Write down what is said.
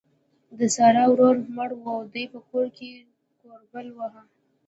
د سارا ورور مړ وو؛ دې په کور کې کوربل واهه.